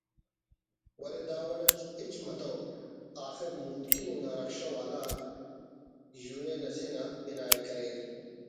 ولے داوڑ اٹ ہچ متو آخر متکن انگا رکشہ والاک یونین اسے نا بناءِ کریر